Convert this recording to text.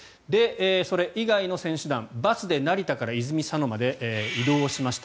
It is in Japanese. それ以外の選手団バスで成田から泉佐野まで移動をしました。